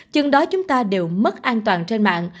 chừng đó chúng ta đều mất an toàn trên mạng